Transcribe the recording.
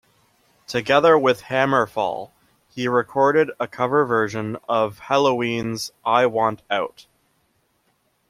Together with HammerFall he recorded a cover version of Helloween's I Want Out.